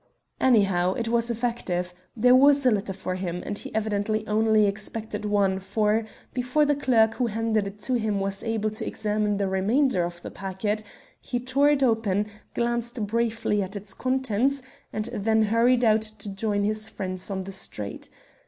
"Anyhow, it was effective. There was a letter for him, and he evidently only expected one, for, before the clerk who handed it to him was able to examine the remainder of the packet, he tore it open, glanced briefly at its contents, and then hurried out to join his friends to the street.